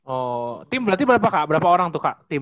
oh tim berarti berapa kak berapa orang tuh kak